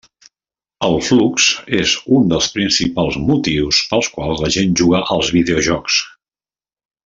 El flux és un dels principals motius pels quals la gent juga als videojocs.